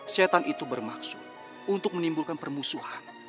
setan itu bermaksud untuk menimbulkan permusuhan